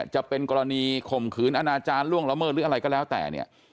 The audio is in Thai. จะเป็นกรณีข่มขืนอนาจารย์ล่วงละเมิดหรืออะไรก็แล้วแต่เนี่ย